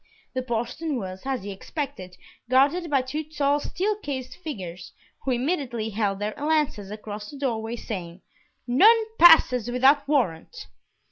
The postern was, as he expected, guarded by two tall steel cased figures, who immediately held their lances across the door way, saying, "None passes without warrant."